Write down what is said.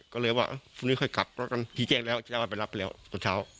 ก็เลยว่าพรุนี้ค่อยกลับเวลาตีเก่งแล้วจะเอาอันไปรับไปแล้วตอนเช้า